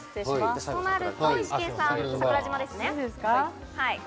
となるとイシケンさんは桜島ですね。